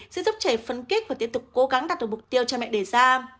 sẽ giúp trẻ phấn kích và tiếp tục cố gắng đạt được mục tiêu cha mẹ đề ra